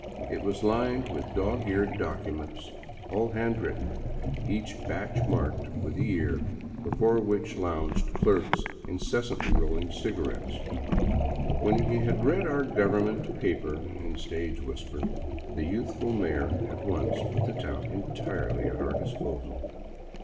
It was lined with dog eared docu 53 VAGABONDING DOWN THE ANDES ments, all hand written, each batch marked with a year, before which lounged clerks incessantly rolling cigarettes. When he had read our government paper in a stage whisper, the youthful mayor at once put the town entirely at our disposal.